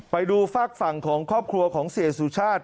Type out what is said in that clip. ไปดูฝากฝั่งของครอบครัวของเสียสุชาติ